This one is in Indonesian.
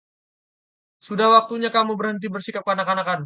Sudah waktunya kamu berhenti bersikap kekanak-kanakan.